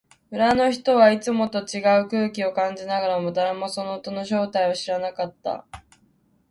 村の人々はいつもと違う空気を感じながらも、誰もその音の正体を知らなかった。